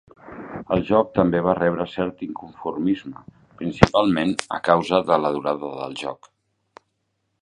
El joc també va rebre cert inconformisme, principalment a causa de la durada del joc.